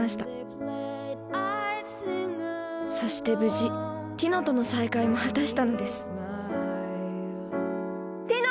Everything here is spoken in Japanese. そして無事ティノとの再会も果たしたのですティノ！